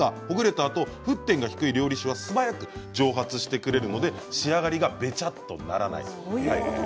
あと沸点が低い料理酒は素早く蒸発してくれるので仕上がりがべちゃっとならないということなんです。